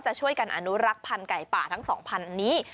จะช่วยกันอนุรักษ์พันธุไก่ป่าทั้ง๒๐๐นี้